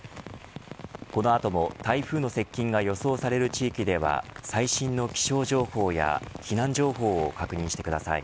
この後も台風の接近が予想される地域では最新の気象情報や避難情報を確認してください。